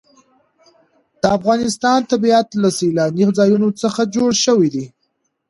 د افغانستان طبیعت له سیلاني ځایونو څخه جوړ شوی دی.